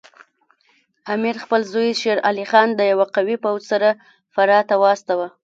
امیر خپل زوی شیر علي خان د یوه قوي پوځ سره فراه ته واستاوه.